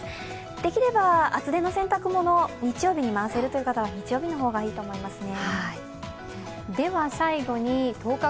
できれば厚手の洗濯物、日曜日に回せる方は日曜日の方がいいと思いますね。